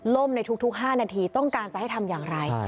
ในทุก๕นาทีต้องการจะให้ทำอย่างไร